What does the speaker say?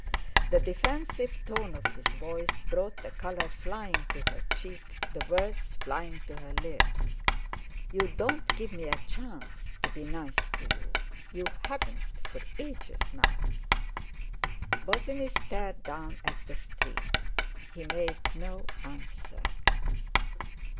The defensive tone of his voice brought the colour flying to her cheek, the words flying to her lips: "You don't give me a chance to be nice to you; you haven't for ages now!" Bosinney stared down at the street. He made no answer....